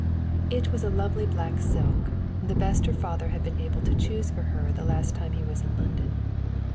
It was a lovely black silk, the best her father had been able to choose for her the last time he was in London.